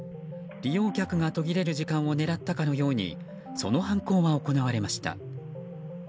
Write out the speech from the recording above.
利用客が途切れる時間を狙ったかのようにその犯行は行われました。